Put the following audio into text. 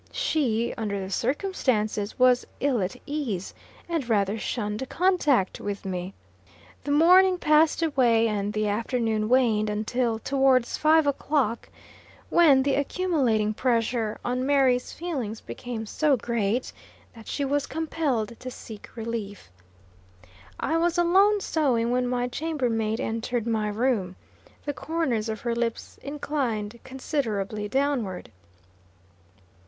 She, under the circumstances, was ill at ease; and rather shunned contact with me. The morning passed away, and the afternoon waned until towards five o'clock, when the accumulating pressure on Mary's feelings became so great that she was compelled to seek relief. I was alone, sewing, when my chamber maid entered my room. The corners of her lips inclined considerably downward.